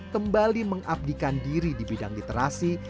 kembali mengabdikan diri di bidang literasi